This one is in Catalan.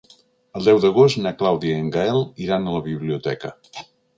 El deu d'agost na Clàudia i en Gaël iran a la biblioteca.